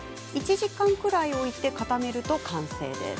１時間ほど置いて固めると完成です。